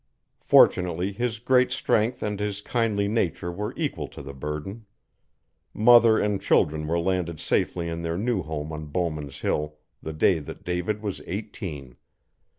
Fortunately, his great strength and his kindly nature were equal to the burden. Mother and children were landed safely in their new home on Bowman's Hill the day that David was eighteen.